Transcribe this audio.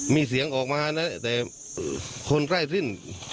มีเสียงออกมาแต่คนไล่สิ้น